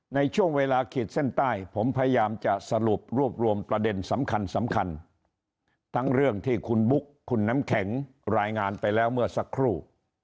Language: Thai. ในช่วงเวลาขีดเส้นใต้ผมพยายามจะสรุปรวบรวมประเด็นสำคัญทั้งเรื่องที่คุณบุ๊คคุณน้ำแข็งรายงานไปแล้วเมื่อสักครู่